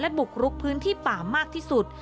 บุกรุกพื้นที่ป่ามากที่สุด